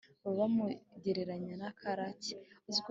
baba bamugereranya na karake